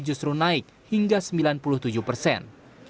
justru naik hingga sembilan puluh tujuh persen